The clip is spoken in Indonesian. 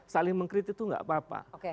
saling mengkritik itu nggak apa apa